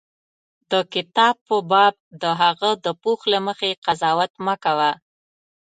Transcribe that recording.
د کتاب په باب د هغه د پوښ له مخې قضاوت مه کوه.